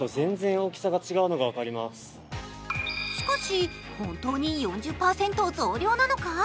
しかし本当に４０％増量なのか？